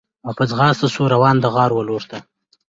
او په ځغاسته سو روان د غار و لورته